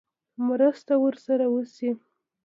مرسته ورسره وشي.